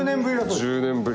１０年ぶり。